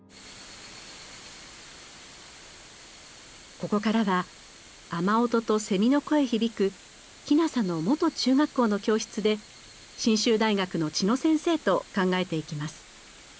ここからは雨音とセミの声響く鬼無里の元中学校の教室で信州大学の茅野先生と考えていきます。